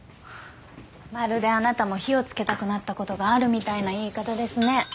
まるであなたも火を付けたくなったことがあるみたいな言い方ですね。